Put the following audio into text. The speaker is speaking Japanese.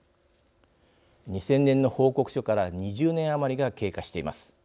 ２０００年の報告書から２０年余りが経過しています。